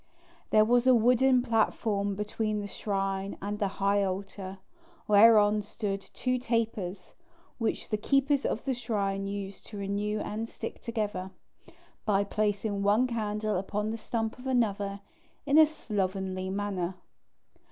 There was a wooden platform between the shrine and the high altar, whereon stood two tapers, which the keepers of the shrine used to renew and stick together, by placing one candle upon the stump of another in a slovenly manner.